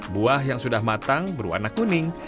buah yang sudah matang berwarna kuning